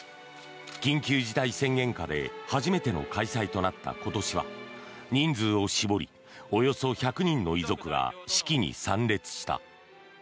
緊急事態宣言下で初めての開催となった今年は人数を絞りおよそ１００人の遺族が式に参列した。